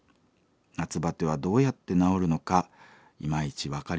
夏バテはどうやって治るのかいまいち分かりません。